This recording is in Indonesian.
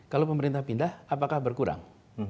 kalau pemerintah pindah apakah berkurang